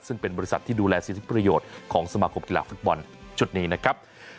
ซึ่งเป็นบริษัทที่ดูแลสิทธิประโยชน์ของสมาคมกีฬาฟุตบอลชุดนี้นะครับ